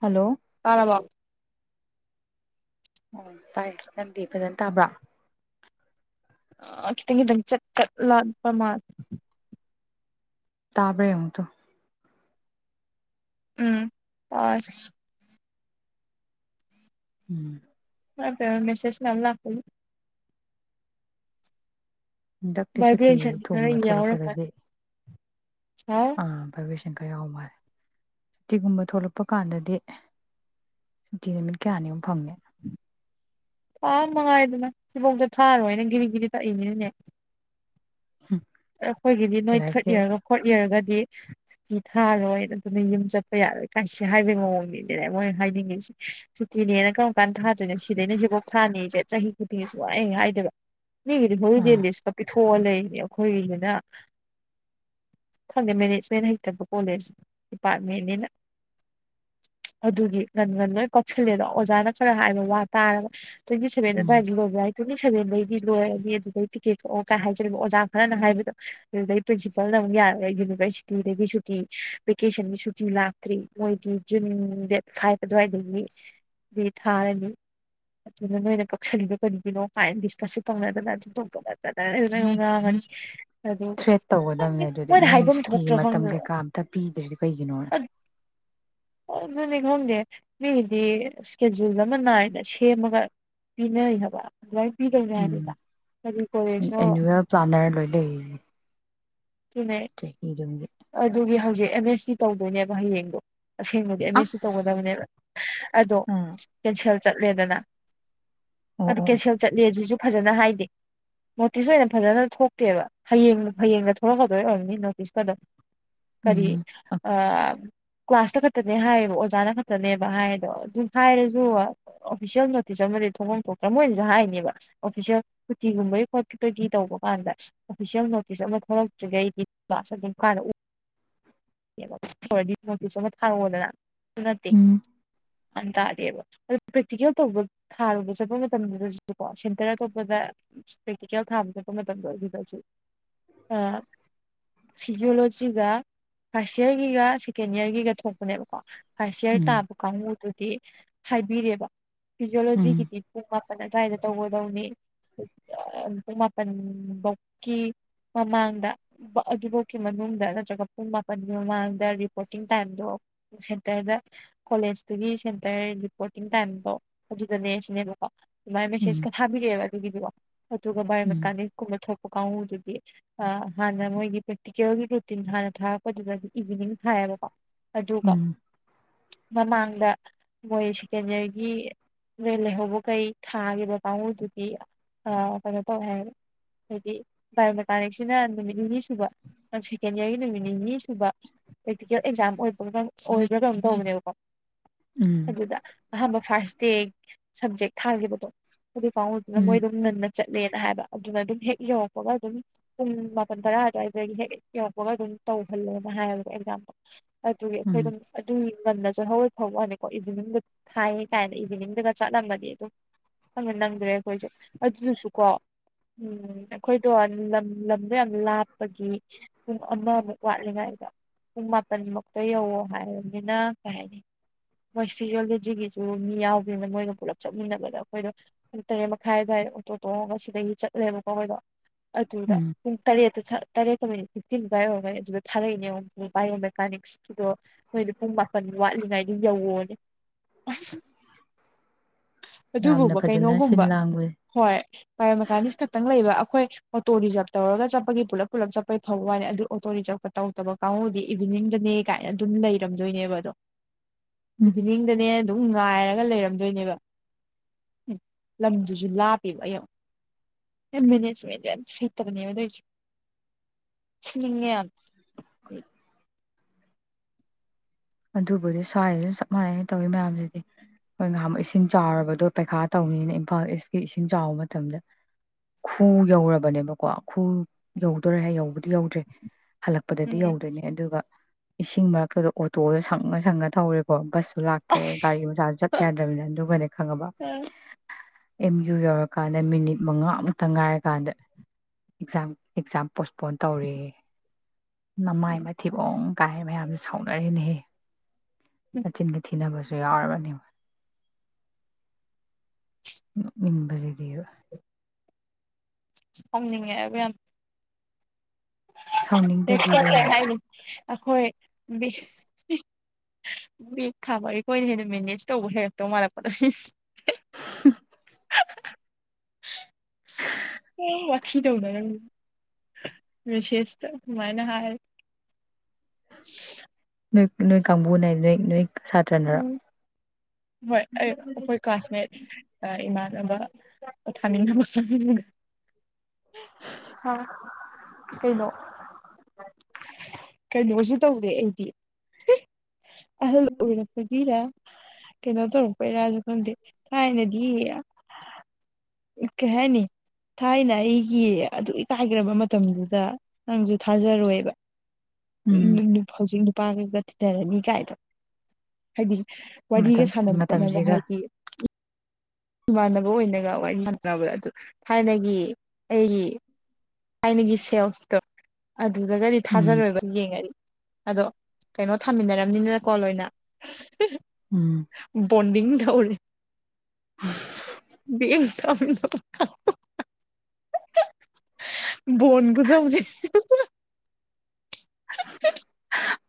Hello ꯇꯔꯕꯣ ꯑꯣ ꯇꯥꯏ ꯅꯪꯗꯤ ꯐꯖꯅ ꯇꯥꯕ꯭ꯔꯥ ꯑ ꯈꯤꯇꯪ ꯈꯤꯇꯪ ꯆꯠ ꯆꯠ ꯂꯥꯛꯄ ꯃꯥ ꯇꯥꯕ꯭ꯔꯥꯕ ꯌꯦꯡꯎ ꯇꯨ ꯎꯝ ꯍꯣꯢ ꯎꯝ ꯑ ꯃꯦꯁꯦꯖ ꯃꯌꯥꯝ ꯂꯥꯛꯄꯩ ꯍꯟꯗꯛꯇꯤ ꯁꯨꯇꯤ ꯚꯥꯏꯕ꯭ꯔꯦꯁꯟ ꯈꯔ ꯊꯣꯝꯕ ꯌꯥꯎꯔꯝꯃꯅꯤ ꯊꯣꯛꯂꯛꯄꯗꯗꯤ ꯁꯥꯎ ꯑꯥ ꯚꯥꯏꯕ꯭ꯔꯦꯁꯟ ꯈ ꯈꯔ ꯌꯥꯎ ꯃꯥꯜꯂꯦ ꯁꯨꯇꯤꯒꯨꯝꯕ ꯊꯣꯛꯂꯛꯄ ꯀꯥꯟꯗꯗꯤ ꯁꯨꯇꯤ ꯅꯨꯃꯤꯠ ꯀꯌꯥꯅꯤꯃꯨꯛ ꯐꯪꯉꯦ ꯄꯥ ꯃꯉꯥꯏꯗꯅ ꯊꯤꯕꯣꯡꯗꯣ ꯊꯛꯑꯔꯣꯢꯅ ꯒꯤꯔꯤ ꯒꯤꯔꯤ ꯇꯛꯏꯅꯤꯅꯦ ꯑꯩꯈꯣꯏꯒꯤꯗꯤ ꯅꯣꯏ ꯊꯥꯔꯠ ꯂꯥꯏꯔꯤꯛꯀꯤ ꯏꯌꯥꯔꯒ ꯐꯣꯔꯠ ꯏꯌꯥꯔꯒ ꯗꯤ ꯁꯨꯇꯤ ꯊꯥꯔꯣꯏ ꯑꯗꯨꯅ ꯌꯨꯝ ꯆꯠꯄ ꯌꯥꯔꯣꯏ ꯀꯥꯏꯁꯤ ꯍꯥꯏꯕꯒꯤ ꯃꯑꯣꯡꯅꯤꯁꯤꯅꯦ ꯃꯣꯏꯅ ꯍꯥꯢꯁꯤꯗꯤ ꯁꯨꯇꯤꯅꯦꯅ ꯀꯔꯝ ꯀꯥꯟꯗ ꯊꯥꯗꯣꯏꯅꯣ ꯁꯤꯗꯩꯅ ꯁꯤꯕꯨꯛ ꯊꯥꯅꯤꯁꯦ ꯆꯍꯤ ꯈꯨꯗꯤꯡꯒꯤ ꯁꯨꯡꯍꯥꯏ ꯍꯦꯛ ꯍꯥꯏꯗꯕ ꯃꯤꯒꯤꯗꯤ ꯍꯣꯂꯤꯗꯦ ꯑꯥ ꯂꯤꯁ ꯀꯥꯡ ꯄꯤꯊꯣꯛ ꯀꯣ ꯂꯩ [unintelligible] ꯑꯩꯈꯣꯏꯒꯤꯅ ꯈꯪꯗꯦ ꯃꯦꯅꯦꯖꯃꯦꯟ ꯍꯩꯇꯕ ꯀꯣꯂꯦꯖ ꯗꯤꯄꯥꯔꯠꯃꯦꯟꯅꯤꯅ ꯑꯗꯨꯒꯤ ꯉꯟ ꯉꯟ ꯂꯣꯏ ꯀꯥꯎꯁꯤꯜꯂꯦꯗꯣ ꯑꯣꯖꯥꯅ ꯈꯔ ꯍꯥꯏꯕ ꯋꯥ ꯇꯥꯔꯒ ꯇꯣꯏꯇꯤꯁꯕꯦꯟ ꯎꯝ ꯑꯗꯨꯋꯥꯢꯗ ꯂꯣꯢꯕ ꯌꯥꯢ ꯇꯣꯟꯇꯤ ꯁꯦꯕꯦꯟꯗꯩꯗꯤ ꯂꯣꯏꯔꯅꯤ ꯑꯗꯨꯗꯩ ꯇꯤꯀꯦꯠ ꯀꯛ ꯑꯣ ꯀꯥꯏ ꯍꯥꯏꯖꯤꯟꯀꯛꯑꯣ ꯑꯣꯖꯥ ꯅꯍꯥꯟ ꯍꯥꯏꯕꯗꯣ ꯑꯗꯨꯗꯩ ꯄ꯭ꯔꯤꯟꯁꯤꯄꯜꯅ ꯑꯃꯨꯛ ꯌꯥꯔꯦ ꯌꯨꯅꯤꯚꯔꯁꯤꯇꯤꯗꯒꯤ ꯁꯨꯇꯤ ꯚꯦꯀꯦꯁꯟꯒꯤ ꯁꯨꯇꯤ ꯂꯥꯛꯇ꯭ꯔꯤ ꯃꯣꯏꯗꯤ ꯖꯨꯟ ꯗꯦꯠ ꯐꯥꯏꯚ ꯑꯗꯨꯋꯥꯏꯗꯒꯤ ꯊꯥꯔꯅꯤ ꯑꯗꯨꯅ ꯅꯣꯏꯅ ꯀꯛꯁꯜꯂꯤꯕ ꯀꯔꯤꯒꯤꯅꯣ ꯀꯥꯏꯅ ꯗꯤꯁꯀꯁꯁꯨ ꯇꯧꯅꯗꯅ ꯑꯗꯨꯝ ꯇꯧꯗꯅ ꯌꯥꯝ ꯉꯥꯡꯕꯅꯤ ꯊ꯭ꯔꯦꯠ ꯇꯧꯒꯗꯕꯅꯦ ꯑꯗꯨꯗꯤ ꯃꯣꯏꯅ ꯅꯣꯏ ꯍꯥꯏꯐꯝ ꯁꯨꯇꯤꯒꯤ ꯊꯣꯛꯇ꯭ꯔꯥ ꯃꯇꯝ ꯈꯪꯗꯦ ꯀꯩꯀꯥ ꯑꯝꯇ ꯄꯤꯗ꯭ꯔꯤꯗꯤ ꯀꯩꯒꯤꯅꯣꯅ ꯑꯣ ꯑꯗꯨꯅꯦ ꯈꯪꯗꯦ ꯃꯤꯒꯤꯗꯤ ꯏꯁꯀꯦꯗꯨꯜ ꯑꯃ ꯅꯥꯏꯅ ꯁꯦꯝꯃꯒ ꯄꯤꯅꯩ ꯍꯥꯏꯕ ꯑꯗꯨꯃꯥꯏꯅ ꯄꯤꯗꯨꯏꯅꯦ ꯎꯝ ꯍꯥꯏꯕꯅꯤꯗ ꯀꯔꯤ ꯀꯣꯂꯦꯖꯅꯣ꯫ ꯂꯩ ꯑꯗꯨꯅꯦ ꯑꯗꯨꯒꯤ ꯍꯧꯖꯤ ꯖꯦ ꯑꯦꯝ ꯑꯦꯁ ꯇꯤ ꯇꯧꯗꯣꯏꯅꯦꯕ ꯍꯌꯦꯡꯗꯣ ꯑꯁꯦꯡꯕꯗꯤ ꯑꯦꯝ ꯑꯦꯁ ꯇꯤ ꯑꯁ ꯇꯧꯒꯗꯕꯅꯦꯕ ꯑꯗꯣ ꯑꯥ ꯀꯦꯟꯁꯦꯜ ꯆꯠꯂꯦꯗꯅ ꯑꯣ ꯑꯗꯨ ꯑꯣ ꯀꯦꯟꯁꯦꯜ ꯆꯠꯂꯦ ꯁꯤꯖꯨ ꯐꯖꯅ ꯍꯥꯏꯗꯦ ꯅꯣꯇꯤꯁ ꯑꯣꯏꯅ ꯐꯖꯅ ꯊꯣꯛꯇꯦꯕ ꯍꯌꯦꯡ ꯍꯌꯦꯡꯗ ꯍꯗ ꯑꯣꯏꯅꯤ ꯅ ꯄꯤꯁ ꯀꯗ ꯎꯝ ꯀꯔꯤ ꯑ ꯀ꯭ꯂꯥꯁꯇ ꯈꯛꯇꯅꯦ ꯍꯥꯏꯌꯦꯕ ꯑꯣꯖꯥꯅ ꯈꯛꯇꯅꯦꯕ ꯍꯥꯏꯗꯣ ꯑꯗꯨ ꯍꯥꯏꯔꯁꯨ ꯑꯣꯐꯤꯁꯦꯜ ꯅꯣꯇꯤꯁ ꯑꯃꯗꯤ ꯊꯣꯛꯐꯝ ꯊꯣꯛꯇ꯭ꯔꯦ ꯃꯣꯏꯅꯁꯨ ꯍꯥꯏꯅꯦꯕ ꯑꯣꯐꯤꯁꯦꯜ ꯀꯨꯇꯤꯒꯨꯝꯕꯒꯤ ꯈꯣꯠꯄꯒꯤ ꯇꯧꯕ ꯀꯥꯟꯗ ꯑꯣꯐꯤꯁꯦꯜ ꯅꯣꯇꯤꯁ ꯑꯃ ꯊꯣꯛꯂꯛ [unintelligible] ꯑꯗꯨ ꯑꯣꯏꯗꯤ ꯐꯣꯟ ꯄꯨꯁꯤꯟ ꯂꯥ ꯊꯔꯛꯑꯣꯗꯅ ꯑꯗꯨ ꯅꯥꯠ ꯇꯦ꯫ ꯌꯥꯝ ꯇꯥꯔꯦꯕ ꯑꯗꯨ ꯄ꯭ꯔꯦꯛꯇꯤꯀꯦꯜ ꯇꯧꯕ ꯊꯥꯔꯨꯕ ꯆꯠꯄ ꯃꯇꯝꯗꯨꯗꯁꯨꯀꯣ ꯁꯦꯟꯇꯔ ꯑꯇꯣꯞꯄꯗ ꯄ꯭ꯔꯦꯛꯇꯤꯀꯦꯜ ꯊꯥꯕ ꯆꯠꯄ ꯃꯇꯝꯗ ꯑꯗꯨꯗꯁꯨ ꯐꯤꯖꯤꯌꯣꯂꯣꯖꯤꯒ ꯐꯥꯔꯁ ꯏꯌꯥꯔꯒꯤꯒ ꯁꯦꯀꯦꯟ ꯏꯌꯥꯔꯒꯤꯒ ꯊꯣꯛꯄꯅꯦꯕꯀꯣ ꯑꯥꯢꯁꯤꯑꯥꯢ ꯎꯝ ꯇꯥꯕ ꯀꯥꯡꯕꯨꯗꯨ ꯍꯥꯏꯕꯤꯔꯦꯕ ꯎꯝ ꯎꯝ ꯐꯤꯖꯣꯂꯣꯖꯤꯒꯤꯗꯤ ꯄꯨꯡ ꯃꯥꯄꯟ ꯑꯗ꯭ꯋꯥꯏꯗ ꯇꯧꯕ ꯂꯧꯅꯤ ꯄꯨꯡ ꯃꯥꯄꯟꯕꯧꯀꯤ ꯃꯃꯥꯡꯗ ꯑꯗꯨꯐꯥꯎꯀꯤ ꯃꯅꯨꯡꯗ ꯅꯠꯇ꯭ꯔꯒ ꯄꯨꯡ ꯃꯥꯄꯟꯒꯤ ꯃꯃꯥꯡꯗ ꯔꯤꯄꯣꯔꯇꯤꯡ ꯇꯥꯏꯝꯗꯣ ꯁꯦꯟꯇꯔꯗ ꯀꯣꯂꯦꯖꯇꯨꯒꯤ ꯁꯦꯟꯇꯔ ꯔꯤꯄꯣꯔꯇꯤꯡ ꯇꯥꯏꯝꯕꯥꯎ ꯑꯗꯨꯗꯅꯦ ꯁꯤꯅꯦꯕꯀꯣ ꯑꯗꯨꯃꯥꯏꯅ ꯎꯝ ꯃꯦꯁꯦꯁꯀ ꯊꯥꯕꯤꯔꯛꯑꯦꯕ ꯑꯗꯨꯒꯤꯗꯤꯀꯣ ꯑꯗꯨꯒ ꯕꯥꯏ ꯎꯝ ꯃꯦꯀꯥꯅꯤꯛꯀꯨꯝꯕ ꯊꯣꯛ ꯀꯥꯎꯗꯨꯗꯤ ꯑ ꯍꯥꯟꯅ ꯃꯣꯏꯒꯤ ꯄ꯭ꯔꯦꯛꯇꯤꯀꯦꯜꯒꯤ ꯔꯨꯇꯤꯟ ꯍꯥꯟꯅ ꯊꯥꯔꯛꯄꯗꯨꯗꯗꯤ ꯏꯚꯤꯅꯤꯡ ꯊꯥꯏꯑꯕꯀꯣ ꯑꯗꯨ ꯀ ꯎꯝ ꯃꯃꯥꯡꯗ ꯃꯣꯏ ꯁꯦꯀꯦꯟ ꯌꯥꯔꯒꯤ ꯂꯩꯍꯧꯕꯈꯩ ꯊꯥꯈꯤꯕ ꯀꯥꯡꯕꯨꯗꯨꯗꯤ ꯀꯩꯅꯣ ꯇꯧꯋꯦ ꯍꯥꯏꯌꯦꯕ ꯕꯥꯏꯑꯣꯃꯦꯀꯥꯅꯤꯛꯁꯤꯅ ꯅꯨꯃꯤꯠ ꯅꯤꯅꯤ ꯁꯨꯕ ꯅ ꯁꯦꯀꯦꯟ ꯏꯌꯥꯔꯒꯤ ꯅꯨꯃꯤꯠ ꯅꯤꯅꯤꯅꯤ ꯁꯨꯕ ꯄ꯭ꯔꯦꯛꯇꯤꯀꯦꯜ ꯑꯦꯛꯖꯥꯝ ꯑꯣꯏꯕ ꯑꯣꯏꯕ꯭ꯔꯥ ꯀꯩꯅꯝ ꯇꯧꯕꯅꯦꯕꯀꯣ ꯎꯝ ꯑꯗꯨꯗ ꯑꯍꯥꯟꯕ ꯐꯔꯁꯇ꯭ ꯗꯦ꯫ ꯁꯞꯖꯦꯛ ꯊꯥꯈꯤꯕ ꯑꯗꯨꯗꯤ ꯄꯥꯎꯉꯗꯨꯅ ꯃꯣꯏ ꯎꯝ ꯑꯗꯨꯝ ꯉꯟꯅ ꯆꯠꯂꯦꯅ ꯍꯥꯏꯕ ꯑꯗꯨꯅ ꯑꯗꯨꯝ ꯍꯦꯛ ꯌꯧꯔꯛꯄꯒ ꯑꯗꯨꯝꯝ ꯄꯨꯡ ꯃꯄꯥꯟ ꯇꯔꯥ ꯑꯗꯨꯋꯥꯏꯗꯒꯤ ꯍꯦꯛ ꯌꯧꯔꯛꯄꯒ ꯑꯗꯨꯝ ꯇꯧꯍꯜꯂꯦꯅ ꯍꯥꯏꯌꯦꯕ ꯑꯦꯛꯖꯥꯝꯗꯨ ꯑꯗꯨꯒꯤ ꯎꯝ ꯑꯩꯈꯣꯏ ꯑꯗꯨꯝ ꯑꯗꯨꯒꯤ ꯉꯟꯅ ꯆꯠꯍꯧꯕꯩ ꯐꯥꯎ ꯋꯥꯅꯤꯀꯣ ꯏꯚꯤꯅꯤꯡꯗ ꯊꯥꯏꯌꯦ ꯀꯥꯏꯅ ꯏꯚꯤꯅꯤꯡꯗꯒ ꯆꯠꯂꯝꯃꯗꯤ ꯑꯗꯨꯝ ꯅꯪꯗ꯭ꯔꯦ ꯑꯩꯈꯣꯏꯁꯨ ꯑꯗꯨꯗꯨꯁꯨꯀꯣ ꯎꯝ ꯑꯩꯈꯣꯏꯗꯣ ꯂꯝ ꯂꯝ ꯑꯗꯣ ꯌꯥꯝ ꯂꯥꯞꯄꯒꯤ ꯄꯨꯡ ꯑꯃꯃꯨꯛ ꯋꯥꯠꯂꯤꯉꯩꯗ ꯄꯨꯡ ꯃꯥꯄꯟꯃꯛꯇ ꯌꯧꯋꯣ ꯍꯥꯏꯔꯕꯅꯤꯅ ꯀꯩ ꯍꯥꯏꯅꯤ ꯃꯣꯏ ꯐꯤꯖꯌꯣꯂꯣꯖꯤꯒꯤꯁꯨ ꯃꯤ ꯌꯥꯎꯗꯅ ꯃꯣꯏꯒ ꯄꯨꯂꯞ ꯆꯠꯃꯤꯟꯅꯕꯗ ꯑꯩꯈꯣꯏꯗꯣ ꯄꯨꯡ ꯇꯔꯦꯠ ꯃꯈꯥꯏꯋꯥꯏ ꯑꯣꯇꯣ ꯇꯣꯡꯉꯒ ꯁꯤꯗꯒꯤ ꯆꯠꯂꯦꯕꯀꯣ ꯑꯈꯣꯏꯗꯣ ꯑꯗꯨꯗ ꯎꯝ ꯇꯔꯦꯠꯇ ꯁꯠ ꯇꯔꯦꯠꯀ ꯃꯤꯅꯤꯠ ꯐꯤꯐꯇꯤꯟ ꯑꯗꯨꯋꯥꯢ ꯑꯣꯢꯔꯝꯒꯅꯤ ꯑꯗꯨꯗ ꯊꯥꯔꯛꯏꯅꯦꯕ ꯄꯥꯏꯔꯣ ꯃꯦꯀꯥꯅꯤꯁꯨꯗꯣ ꯅꯣꯏꯅ ꯄꯨꯡ ꯃꯥꯄꯟ ꯋꯥꯠꯂꯤꯉꯥꯏ ꯌꯧꯑꯣꯅꯦ ꯑꯁ ꯌꯥꯝꯅ ꯑꯗꯨꯕꯨꯕ ꯐꯖꯅ ꯁꯤꯟ ꯀꯩꯅꯣꯒꯨꯝꯕ ꯂꯥꯡꯕꯁꯦ ꯍꯣꯏ ꯕꯥꯥꯏꯌꯣ ꯃꯦꯀꯥꯅꯤꯛꯁ ꯈꯛꯇꯪ ꯂꯩꯕ ꯈꯣꯏ ꯑꯣꯇꯣ ꯔꯤꯖꯥꯕ ꯇꯧꯔꯒ ꯆꯠꯄꯒꯤ ꯄꯨꯂꯞ ꯄꯨꯂꯞ ꯆꯠꯄꯩ ꯐꯕꯩ ꯋꯥꯅꯦ ꯑꯗꯨ ꯑꯣꯇꯣ ꯔꯤꯖꯥꯕ ꯀꯥꯡ ꯇꯧꯗꯕ ꯀꯥꯡꯕꯨꯗꯤ ꯏꯚꯤꯅꯤꯡꯗꯅꯦ ꯀꯥꯏꯅ ꯑꯗꯨꯝ ꯂꯩꯔꯝꯗꯣꯏꯅꯦꯕ ꯑꯗꯣ ꯎꯝ ꯏꯚꯤꯅꯤꯡꯗꯅꯦ ꯑꯗꯨꯝ ꯉꯥꯏꯔꯒ ꯂꯩꯔꯝꯗꯣꯏꯅꯦꯕ ꯂꯝꯗꯨꯁꯨ ꯂꯥꯞꯄꯦꯕ ꯑꯩ ꯑꯃ ꯃꯦꯅꯦꯖꯃꯦꯟꯗ ꯌꯥꯝ ꯐ ꯑꯗꯨꯅꯦꯕ ꯇꯧꯢꯁꯤ ꯁꯤ ꯅꯤꯡꯉꯦ ꯌꯥꯝ ꯑꯩ ꯑꯗꯨꯕꯨꯗꯤ ꯁ꯭ꯋꯥꯏꯁꯤꯁꯨ ꯆꯞ ꯃꯥꯟꯅꯩꯩ ꯇꯧꯏ ꯃꯌꯥꯝꯁꯤꯗꯤ ꯑꯩꯈꯣꯏ ꯅꯍꯥꯟꯃꯨꯛ ꯏꯁꯤꯡ ꯆꯥꯎꯔꯕꯗꯣ ꯄꯩꯈꯥ ꯇꯧꯅꯤꯅ ꯏꯝꯐꯥꯜ ꯏꯁꯀꯤ ꯏꯁꯤꯡ ꯆꯥꯎꯕ ꯃꯇꯝꯗ ꯈꯨ ꯌꯧꯔꯕꯅꯦꯕꯀꯣ ꯈꯨ ꯌꯧꯗꯣꯔꯦ ꯍꯥꯏ ꯌꯧꯕꯨꯗꯤ ꯌꯧꯗ꯭ꯔꯤ ꯍꯜꯂꯛꯄꯗꯗꯤ ꯎꯝ ꯌꯧꯗꯣꯏꯅꯦ ꯑꯗꯨꯒ ꯏꯁꯤꯡ ꯃꯔꯛꯇꯗ ꯇꯣꯁꯦ ꯁꯪꯉ ꯁꯪꯉ ꯊꯧꯔꯦꯀꯣ ꯕꯁ ꯂꯥꯛꯇ꯭ꯔꯦ ꯒꯥꯔꯤꯒꯤ ꯃꯆꯥꯁꯨ ꯆꯠꯇ ꯌꯥꯗ꯭ꯔꯕꯅꯤꯅ ꯑꯗꯨꯒꯅꯦ ꯈꯪꯉꯕ ꯑꯦꯝ ꯌꯨ ꯌꯧꯔꯀꯥꯟꯗ ꯃꯤꯅꯤꯠ ꯃꯉꯥ ꯑꯃꯨꯛꯇ ꯉꯥꯏꯔꯀꯥꯟꯗ ꯑꯦꯛꯖꯥꯝ ꯑꯦꯛꯖꯥꯝ ꯄꯣꯁꯄꯣꯟ ꯇꯧꯔꯦ ꯅꯃꯥꯏ ꯎꯝ ꯃꯥꯠ ꯊꯤꯕꯣꯡ ꯒꯥꯏ ꯃꯌꯥꯝꯁꯦ ꯁꯥꯎꯅꯩ ꯑꯩꯅꯤꯍꯦ ꯃꯆꯤꯟ ꯒ ꯊꯤꯅꯕꯁꯨ ꯁꯦ ꯌꯥꯎꯔꯕꯅꯦꯕ ꯌꯦꯎ ꯅꯣꯛꯅꯤꯡꯕꯁꯤꯗꯦꯕ ꯁꯥꯎꯅꯤꯡꯉꯛꯑꯦꯕ ꯌꯥꯝ ꯁꯥꯎꯅꯤꯡꯗꯗꯤ [unintelligible] ꯑꯗꯨꯅꯤ ꯑꯩꯈꯣꯏ ꯕꯦꯛ ꯊꯥꯕ ꯑꯩꯈꯣꯏꯅ ꯍꯦꯟꯅ ꯃꯦꯅꯦꯖ ꯇꯧꯕ ꯍꯩꯔꯛꯇꯧ ꯃꯥꯜꯂꯛꯄ ꯑꯣ ꯋꯥ ꯇꯧꯅꯔꯝꯃꯤ꯫ ꯃꯦꯁꯦꯁꯇ ꯁꯨꯃꯥꯏꯅ ꯍꯥꯏ ꯅꯣꯏ ꯅꯣꯏ ꯀꯥꯡꯕꯨꯅ ꯅꯣꯏ ꯅꯣꯏ ꯁꯥꯇ꯭ꯔꯅꯔꯣ ꯎꯝ ꯍꯣꯏ ꯍꯣꯏ ꯀ꯭ꯂꯥꯁꯃꯦꯠ ꯏꯃ ꯄꯣ ꯊꯥꯅꯤꯡ ꯀꯩꯅꯣ ꯀꯩꯅꯣꯁꯨ ꯇꯧꯔꯦ ꯑꯩꯗꯤ ꯑꯍꯜ ꯑꯣꯏꯔꯛꯄꯒꯤꯔ ꯀꯩꯅꯣ ꯇꯧꯔꯛꯄꯩꯔꯥꯁꯨ ꯈꯪꯗꯦ ꯊꯥꯏꯅꯗꯤ ꯀꯩ ꯍꯥꯏꯅꯤ ꯊꯥꯏꯅ ꯑꯩꯒꯤ ꯑꯗꯨ ꯏꯀꯥꯏꯈ꯭ꯔꯕ ꯃꯇꯝꯗꯨꯗ ꯅꯪꯁꯨ ꯊꯥꯖꯔꯣꯏꯕ ꯎꯝ [unintelligible] ꯄꯥꯡꯒ ꯇꯤꯇꯔꯅꯤ ꯀꯥꯏꯅ꯫ ꯍꯥꯏꯗꯤ ꯋꯥꯔꯤꯒ ꯃꯇꯝ ꯁꯥꯟꯅꯕ ꯈꯣꯠꯅꯕ ꯃꯇꯝꯁꯤꯒ ꯍꯥꯏꯗꯤ ꯏꯃꯥꯟꯅꯕ ꯑꯣꯏꯅꯒ ꯋꯥꯔꯤ ꯁꯥꯟꯅꯕꯗ ꯑꯗꯨꯣ ꯊꯥꯏꯅꯒꯤ ꯑꯩꯒꯤ ꯊꯥꯏꯅꯒꯤ ꯁꯦꯜꯇꯣ ꯑꯗꯨꯗꯒꯗꯤ ꯎꯝ ꯊꯥꯖꯔꯣꯏꯕ ꯌꯦꯡꯉ ꯑꯗꯣ ꯀꯩꯅꯣ ꯊꯥꯃꯤꯟꯅꯔꯝꯅꯤꯅꯅ ꯀꯣꯜ ꯑꯣꯏꯅ ꯎꯝ ꯕꯣꯟ [unintelligible] ꯗꯧꯔꯦ [unintelligible] ꯕꯣꯟ ꯈꯨꯇꯧꯁꯦ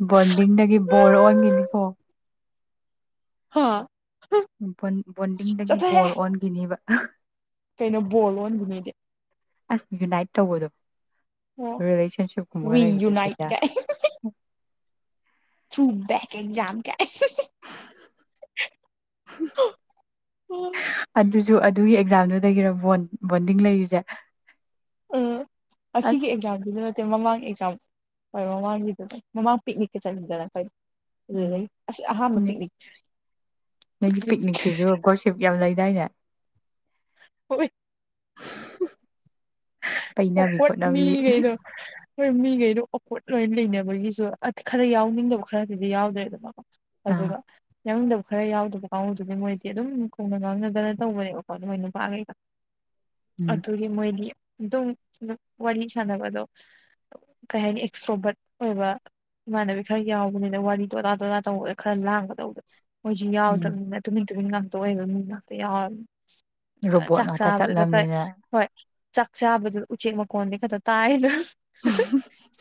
ꯕꯣꯟꯗꯤꯡꯗꯒꯤ ꯕꯣꯔ ꯑꯣꯟꯈꯤꯅꯤꯀꯣ ꯍꯥꯥ ꯕꯣꯟꯗꯤꯡꯗꯒꯤ ꯕꯣꯜ ꯑꯣꯟꯈꯤꯅꯦꯕ ꯀꯩꯅꯣ ꯕꯣꯜ ꯑꯣꯟꯈꯤꯅꯤꯗꯤ ꯑꯁ ꯌꯨꯅꯥꯏꯠ ꯇꯧꯕꯗꯣ ꯑꯣ ꯔꯤꯂꯦꯁꯟꯁꯤꯞ ꯀꯨꯝꯕꯒ ꯋꯤ ꯂꯩꯕ ꯌꯨꯅꯥꯏꯠ ꯗꯨꯗꯤꯅꯦ ꯀꯥꯏ ꯊ꯭ꯔꯨ ꯕꯦꯛ ꯑꯦꯛꯖꯥꯝ ꯀꯥꯏ ꯑꯗꯨꯁꯨ ꯑꯗꯨꯒꯤ ꯑꯦꯛꯖꯥꯝꯗꯨꯗꯒꯤꯔ ꯕꯣꯟꯗꯤꯡ ꯂꯩꯔꯤꯁꯦ ꯎꯝ ꯑꯁꯤꯒꯤ ꯑꯁ ꯑꯦꯛꯖꯥꯝꯁꯤꯗ ꯅꯠꯇꯦ ꯃꯃꯥꯡ ꯍꯣꯏ ꯑꯦꯖꯥꯝ ꯃꯃꯥꯡ ꯃꯃꯥꯡ ꯄꯤꯛꯅꯤꯛ ꯀ ꯆꯠꯂꯤꯗꯅ ꯐ ꯑꯈꯣꯏ꯫ ꯎꯝ ꯅꯣꯏꯒꯤ ꯄꯤꯛꯅꯤꯛꯇꯤꯁꯨ ꯒꯣꯔꯁꯤꯞ ꯌꯥꯝ ꯂꯩ ꯌꯥꯏꯌꯦ ꯍꯨꯃꯤꯇ [unintelligible] ꯄꯩꯅꯕꯤ ꯑꯣꯞꯋꯔꯗ ꯈꯣꯠꯅꯕꯤ ꯃꯤꯒꯩꯗꯣ ꯍꯣꯏ ꯃꯤꯈꯩꯗꯣ ꯑꯣꯀꯣꯠ ꯂꯣꯏ ꯂꯩꯅꯕꯒꯤꯁꯨ ꯈꯔ ꯌꯥꯎꯅꯤꯡꯗꯕ ꯈꯔꯗꯨꯗꯤ ꯌꯥꯎꯗꯣꯏꯗꯅꯀꯣ ꯑꯥ ꯑꯗꯨꯒ ꯌꯥꯎꯅꯤꯡꯗꯕ ꯈꯔ ꯌꯥꯎꯗꯕ ꯄꯥꯎꯗꯨꯒꯤ ꯃꯣꯏꯁꯦ ꯑꯗꯨꯝ ꯈꯣꯡꯅ ꯉꯥꯡꯅꯗꯅ ꯇꯧꯕꯅꯦꯕꯀꯣ ꯑꯗꯨ ꯃꯣꯏ ꯅꯨꯄꯥꯈꯩꯒ ꯎꯝ ꯑꯗꯨꯒꯤ ꯃꯣꯏꯗꯤ ꯑꯗꯨꯝꯝ ꯋꯥꯔꯤ ꯁꯥꯟꯅꯕꯗꯣ ꯀꯩ ꯍꯥꯏꯅꯤ ꯑꯦꯛꯁꯇꯔꯣꯕꯔꯠ ꯑꯣꯏꯕ ꯏꯃꯥꯟꯅꯕꯤ ꯈꯔ ꯌꯥꯎꯕꯅꯤꯅ ꯋꯥꯔꯤꯗꯣ ꯑꯣꯗꯥ ꯇꯣꯗꯥ ꯇꯧꯕꯗ ꯈꯔ ꯂꯥꯡꯒꯗꯧꯕꯗꯣ ꯃꯣꯏꯁꯨ ꯎꯝ ꯌꯥꯎꯗꯕꯅꯤꯅ ꯑꯗꯨꯝ ꯍꯦꯛ ꯉꯥꯟꯗ ꯉꯥꯛꯇ ꯑꯣꯏꯕꯅꯤꯅ ꯀꯌꯥꯗ꯫ ꯔꯣꯕꯣꯠ ꯉꯥꯛꯇ ꯆꯠꯂꯝꯕꯅꯤꯅ ꯍꯣꯏ ꯆꯥꯛ ꯆꯥꯕꯗꯨ ꯎꯆꯦꯛ ꯃꯈꯣꯟꯗꯤ ꯈꯛꯇ ꯇꯥꯏꯗꯅ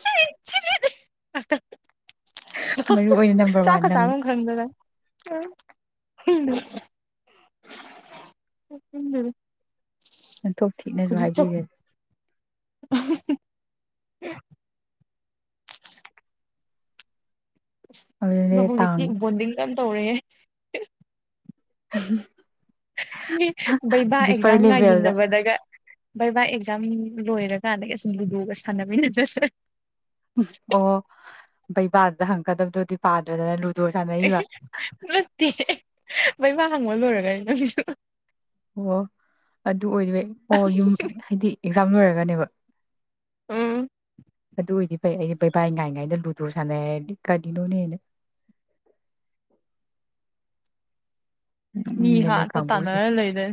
ꯁꯤ ꯁꯤꯔꯦꯗ ꯃꯔꯨ ꯑꯣꯏꯅ ꯅꯝꯕꯔ ꯋꯥꯟ ꯆꯥꯀ ꯅꯪ ꯆꯃ ꯈꯪꯗꯔ ꯎꯝ ꯎꯝ ꯌꯥꯝꯟꯊꯣꯛ ꯊꯤꯅꯁꯨ ꯍꯥꯏꯕꯤꯔꯦ [inaudible] ꯑꯗꯨꯅꯦ ꯇꯥꯡ [unintelligible] ꯇꯧꯔꯦ ꯎꯝ ꯕꯩꯕꯥ ꯑꯦꯛꯖꯥꯝ ꯂꯦꯚꯦꯜꯗ ꯉꯥꯏꯃꯤꯟꯅꯕꯗꯒ ꯕꯩꯕꯥ ꯑꯦꯖꯝ ꯂꯣꯏꯔꯀꯥꯟꯗꯒꯤ ꯑꯁꯨꯝ ꯂꯨꯗꯣꯒ ꯁꯥꯟꯅꯃꯤꯟꯅꯖꯠꯁꯦ ꯑꯣ ꯕꯩꯕꯥꯗ ꯍꯪꯀꯗꯕꯗꯨꯗꯤ ꯄꯥꯗ꯭ꯔꯅ ꯃ ꯍꯪꯃ ꯂꯣꯏꯔꯒ ꯑꯩ ꯅ ꯁꯤꯁꯨ ꯑꯣ ꯑꯗꯨ ꯑꯣꯏꯕꯩ ꯑꯣ ꯌꯨꯝ ꯍꯥꯏꯗꯤ ꯑꯦꯛꯖꯥꯝ ꯂꯣꯏꯔꯒꯅꯦꯕ ꯎꯝ ꯑꯗꯨ ꯑꯣꯏꯗꯤ ꯐꯩ ꯑꯩꯗꯤ ꯕꯕꯥ ꯉꯥꯏꯉꯥꯏꯗ ꯂꯨ ꯇꯨꯔ ꯁꯥꯟꯅꯦ ꯀꯔꯤꯅꯣꯅꯦ ꯃꯤ ꯅꯣꯛꯅꯤꯡꯉꯦ ꯅꯣꯏ ꯍꯥꯠꯄ ꯀꯥꯡꯕꯨꯁꯦ ꯇꯥꯟꯅꯔ ꯂꯩꯔꯦ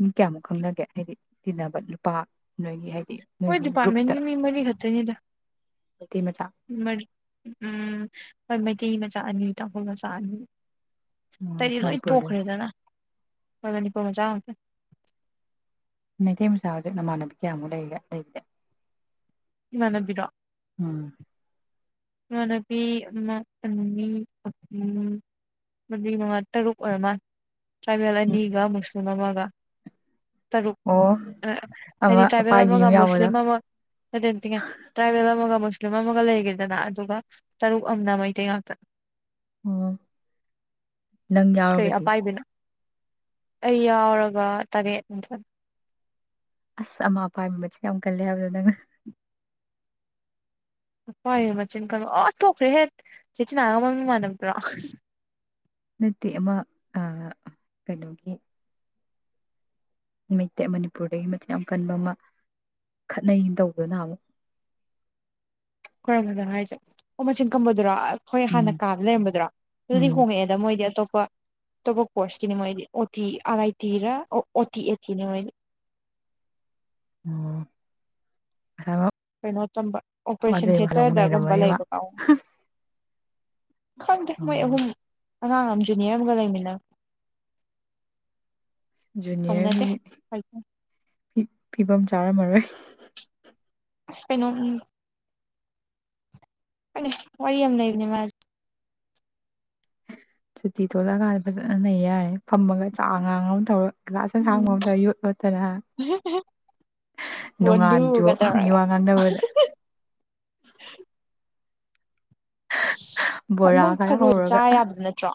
ꯃꯤ ꯀꯌꯥꯃꯨꯛ ꯈꯪꯅꯒꯦ ꯍꯥꯏꯗꯤ ꯇꯤꯟꯅꯕ ꯅꯨꯄꯥ ꯅꯣꯏꯒꯤ ꯍꯥꯏꯗꯤ ꯍꯣꯏ ꯅꯣꯏꯒꯤ ꯒ꯭ꯔꯨꯞꯇ ꯗꯤꯄꯥꯔꯠꯃꯦꯟꯒꯤ ꯃꯤ ꯃꯔꯤ ꯈꯛꯇꯅꯤꯗ ꯃꯩꯇꯩ ꯃꯆꯥ ꯃꯔ ꯎꯝ ꯀ ꯃꯆꯥꯥꯅꯤ ꯇ ꯍꯣꯏ ꯃꯆꯥꯥꯅꯤ ꯑꯇꯩꯗꯤ ꯂꯣꯏ ꯃꯅꯤꯄꯨꯔꯗ ꯇꯣꯛꯈ꯭ꯔꯦꯗꯅꯕꯅꯤ [unintelligible] ꯃꯩꯇꯩ ꯃꯆꯥ ꯑꯗꯨ ꯅꯃꯥꯟꯕꯤ ꯀꯌꯥꯃꯨꯛ ꯂꯩ ꯂꯩꯗꯦ ꯏꯃꯟꯅꯕꯤꯔꯣ꯫ ꯏꯃꯥꯟꯅꯕꯤ ꯑꯃ ꯑꯅꯤ ꯑꯍꯨꯝ ꯃ ꯃꯉꯥ ꯇꯔꯨꯛ ꯑꯣꯏꯔꯃ ꯇꯔꯥꯕꯦꯜ ꯑꯅꯤꯒ ꯃꯨꯁꯂꯤꯝ ꯁꯃꯃꯒ ꯇꯔꯨꯛ ꯑꯣ ꯍꯥꯏꯗꯤ ꯑꯃ ꯇ꯭ꯔꯥꯏꯕꯦꯜ ꯑꯄꯥꯏꯕꯤ ꯑꯃꯒ ꯑꯃ ꯌꯥꯎꯕꯗꯣ ꯃꯨꯁꯂꯤꯝ ꯑꯃ ꯍꯥꯏꯗꯤꯇꯤꯡꯉꯦ ꯇ꯭ꯔꯥꯏꯕꯦꯜ ꯑꯃꯒ ꯃꯁ ꯃꯣꯒ ꯍꯦꯔꯗ ꯑꯗꯨꯒ ꯇꯔꯨꯛ ꯑꯗ ꯃꯩꯇꯩ ꯉꯥꯛꯇ ꯑꯣ ꯅꯪ ꯀꯩ ꯌꯥꯎꯔꯒꯗꯤ ꯑꯄꯥꯏꯕꯤꯅꯣ ꯑꯩ ꯌꯥꯎꯔꯒ ꯇꯔꯦꯠꯅꯤꯗ ꯑꯁ ꯑꯃꯥ ꯑꯄꯥꯥꯏ ꯃꯆ ꯌꯥꯝ ꯀꯜꯂꯦ ꯍꯥꯏꯕꯗ ꯅꯪ ꯄꯥꯥꯏ ꯃꯆꯤꯟ ꯀꯜꯣ ꯑ ꯊꯣꯛꯈ꯭ꯔꯦ ꯍꯦ ꯆꯦꯆꯤꯅꯥꯒ ꯃꯃꯤꯡ ꯃꯥꯟꯗ꯭ꯔꯣ ꯅꯠꯇꯦ ꯑꯃ ꯑ ꯀꯩꯅꯣꯒꯤ ꯃꯩꯇꯩ ꯃꯅꯤꯄꯨꯔꯗꯒꯤ ꯃꯆ ꯌꯥꯝ ꯀꯟꯕ ꯑꯃ ꯈꯠꯅꯩ ꯇꯧꯗꯨꯅ ꯑꯃꯨꯛ ꯈꯔꯗ ꯍꯥꯏꯁꯦ ꯑꯣ ꯃꯆꯤꯟ ꯀꯝꯕꯗꯨꯔꯣ ꯍꯣꯏ ꯍꯥꯟꯅ ꯎꯝ ꯀꯥꯕ ꯂꯩꯔꯝꯕꯗ꯭ꯔꯣ ꯑꯗꯨꯗꯤ ꯎꯝ ꯍꯣꯡꯉꯛꯑꯦꯗ ꯃꯣꯏꯗꯤ ꯑꯇꯣꯞꯄ [unintelligible] ꯇꯣꯞꯄ ꯀꯣꯔꯁꯀꯤꯅꯦ ꯃꯣꯏꯗꯤ ꯑꯣꯇꯤ ꯑꯥꯔ ꯑꯥꯏ ꯇꯤꯔ ꯑꯣ ꯑꯣꯇꯤ ꯑꯦꯠꯇꯤꯅꯪ ꯃꯣꯏꯗꯤ꯫ ꯑꯣ ꯍ ꯀꯩꯅꯣ ꯇꯝꯕ ꯑꯣꯄꯔꯦꯁꯟ ꯊꯦꯇꯔꯗꯒꯨꯝꯕ ꯅꯩꯔꯝꯃꯅꯤ ꯃꯥ ꯂꯩꯕ ꯄꯥ ꯈꯪꯗ ꯃꯣꯏ ꯑꯣ ꯑꯍꯨꯝ ꯑꯉꯥꯡ ꯑꯃ ꯖꯨꯅꯤꯌꯔ ꯑꯃꯒ ꯂꯩꯃꯤꯟꯅ ꯖꯨꯅꯤꯌꯥꯔ ꯀꯧꯅꯗꯦ ꯐꯤꯕꯝ ꯆꯥꯔꯝꯃꯔꯣꯏ ꯁꯩꯅꯣ ꯎꯝ ꯀ ꯋꯥꯔꯤ ꯋꯥꯔꯤ ꯌꯥꯝꯦꯝ ꯂꯩꯥꯏꯕꯅꯦ ꯃꯥ ꯁꯨꯇꯤ ꯊꯣꯛꯂꯛꯑꯀꯥꯟꯗ ꯐꯖꯅꯅꯩ ꯌꯥꯏꯦ ꯐꯝꯃꯒ ꯆꯥꯛ ꯑꯉꯥꯡ ꯑꯃ ꯊꯧꯔꯛ ꯒ꯭ꯂꯥꯁ ꯎꯝ ꯑꯁꯥꯡꯕꯗ ꯌꯣꯠ ꯂꯣꯠꯇꯅ ꯅꯣꯡꯉꯥꯥꯟꯗꯣ ꯕꯣꯟꯗꯨꯒ ꯃꯤ ꯇꯧꯔꯒ ꯋꯥ ꯉꯥꯡꯗꯅꯕꯗ ꯕꯣꯔꯥ ꯅꯪ ꯈꯔ ꯊꯔꯣꯁꯨ ꯆꯥ ꯍꯧꯔꯒ ꯌꯥꯕꯗꯣ ꯅꯠꯇ꯭ꯔꯣ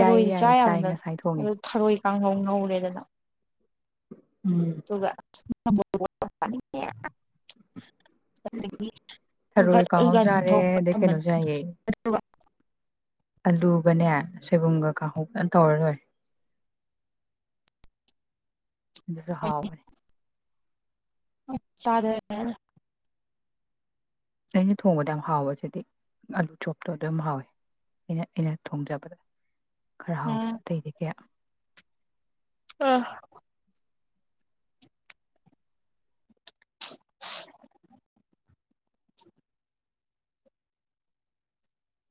ꯌꯥꯏꯌꯦ ꯆꯥ ꯌꯥꯏꯌꯦ ꯆꯥꯏ ꯌꯥꯝꯅ ꯉꯁꯥꯏ ꯊꯣꯡꯉꯦ ꯑꯗꯨ ꯊꯔꯣꯏ ꯀꯥꯡꯍꯧ ꯉꯧꯔꯦꯗꯅ ꯎꯝ ꯑꯗꯨꯒ ꯦ ꯊꯔꯣꯏ ꯀꯥꯡꯍꯧꯖꯨ ꯌꯥꯔꯦ ꯑꯗꯩ ꯀꯩꯅꯣꯖꯏꯌꯦ ꯑꯂꯨꯒꯅꯦ ꯁꯣꯏꯕꯨꯝꯒ ꯀꯥꯡꯍꯧꯅ ꯇꯧꯔ ꯂꯣꯏ ꯑꯗꯨꯁꯨ ꯍꯥꯎꯕꯅꯦ ꯑ ꯆꯥꯗ ꯑꯩꯅ ꯊꯣꯡꯕꯗ ꯌꯥꯝ ꯍꯥꯎꯕꯁꯤꯗꯤ ꯑꯂꯨ ꯆꯣꯞꯇꯣ ꯑꯗꯨ ꯌꯥꯝ ꯍꯥꯎꯋꯦ ꯑꯩꯅ ꯑꯩꯅ ꯊꯣꯡꯖꯕꯗ ꯈꯔ ꯍꯥꯎꯕꯁꯦ ꯎꯝ ꯑꯇꯩꯗꯤ ꯀꯌꯥ ꯑ